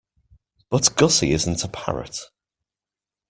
But Gussie isn't a parrot.